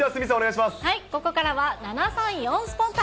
ここからは７３４スポンタ。